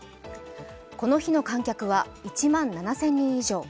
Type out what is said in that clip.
この日の観客は１万７０００人以上。